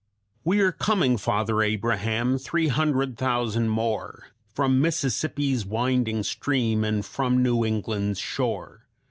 "We are coming, Father Abraham three hundred thousand more, From Mississippi's winding stream and from New England's shore.